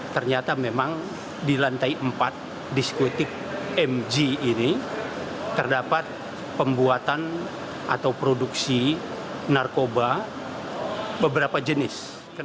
ternyata memang di lantai empat diskutik mg ini terdapat pembuatan atau produksi narkoba beberapa jenis